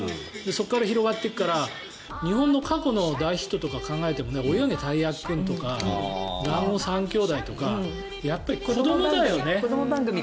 そこから広がっていくから日本の過去の大ヒットとか考えても「およげ！たいやきくん」とか「だんご３兄弟」とかやっぱり子どもだよね。